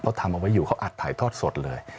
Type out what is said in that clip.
เขาทำเอาไว้อยู่เขาอัดถ่ายทอดสดเลย